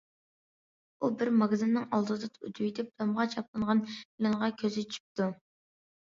ئۇ بىر ماگىزىننىڭ ئالدىدىن ئۆتۈۋېتىپ تامغا چاپلانغان ئېلانغا كۆزى چۈشۈپتۇ.